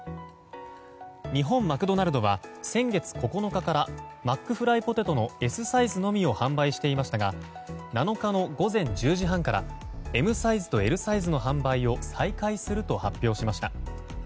日本マクドナルドは先月９日からマックフライポテトのＳサイズのみを販売していましたが７日の午前１０時半からＬサイズとＭサイズの販売を再開すると発表しました。